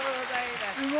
すごい！